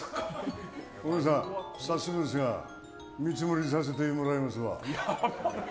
お姉さん、早速ですが見積もりさせてもらいますわ。